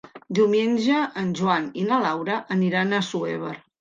Diumenge en Joan i na Laura aniran a Assuévar.